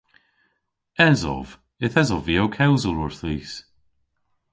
Esov. Yth esov vy ow kewsel orthis.